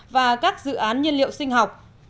và các dự án nhiên liệu sinh học